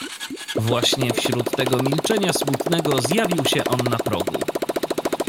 "Właśnie wśród tego milczenia smutnego zjawił się on na progu."